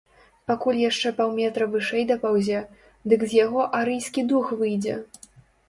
Пакуль яшчэ паўметра вышэй дапаўзе, дык з яго арыйскі дух выйдзе.